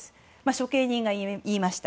処刑人が言いました。